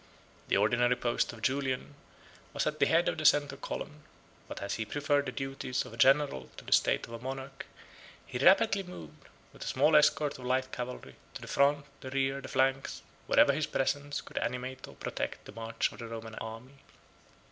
The ordinary post of Julian was at the head of the centre column; but as he preferred the duties of a general to the state of a monarch, he rapidly moved, with a small escort of light cavalry, to the front, the rear, the flanks, wherever his presence could animate or protect the march of the Roman army.